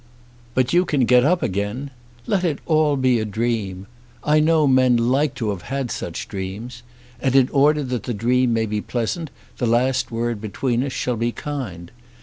"But you can get up again. Let it be all a dream. I know men like to have had such dreams. And in order that the dream may be pleasant the last word between us shall be kind.